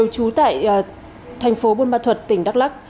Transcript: chú tại thành phố buôn ba thuật tỉnh đắk lắc